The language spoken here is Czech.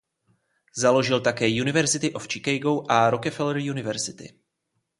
Založil také University of Chicago a Rockefeller University.